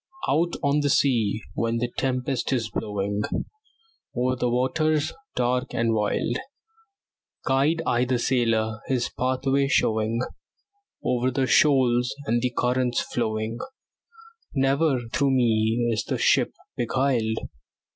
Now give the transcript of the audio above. Out on the sea, when the tempest is blowing, Over the waters dark and wild, Guide I the sailor, his pathway showing Over the shoals and the currents flowing; Never through me is the ship beguiled.